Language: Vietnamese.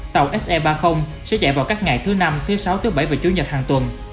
tàu se ba mươi sẽ chạy vào các ngày thứ năm thứ sáu thứ bảy và chủ nhật hàng tuần